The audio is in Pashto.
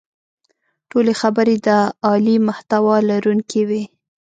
ټولې خبرې د عالي محتوا لرونکې وې.